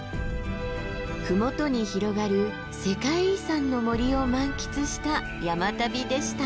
麓に広がる世界遺産の森を満喫した山旅でした。